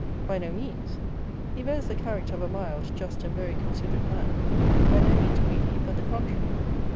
By no means. He bears the character of a mild, just, and very considerate man, by no means greedy, but the contrary.